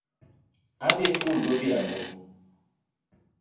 Adhi sikul godhiambo